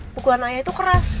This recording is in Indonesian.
pukulan ayah itu keras